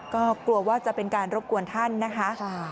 ก็กลัวว่าจะเป็นการรบกวนท่านนะคะ